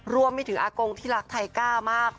รวมไปถึงอากงที่รักไทก้ามาก